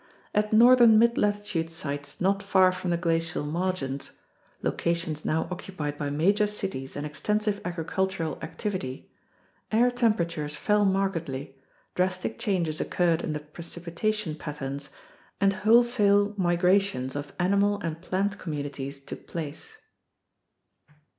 At northern midlatitude sites not far from the glacial margins (locations now occupied by major cities and extensive agricultural activity), air temperatures fell markedly, drastic changes occurred in the precipita tion patterns, and wholesale migrations of animal and plant communi ties took place.